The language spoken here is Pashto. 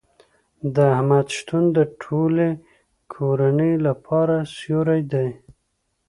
د احمد شتون د ټولې کورنۍ لپاره سیوری دی.